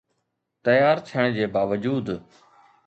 تيار ٿيڻ جي باوجود